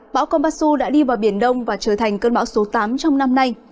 bão kombasu đã đi vào biển đông và trở thành cơn bão số tám trong năm nay